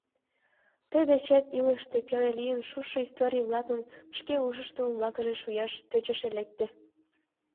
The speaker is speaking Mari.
Тый дечет илышыште пеле лийын шушо историй-влакым шке ушышто умбакыже шуяш тӧчышӧ лекте.